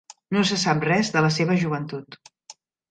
No se sap res de la seva joventut.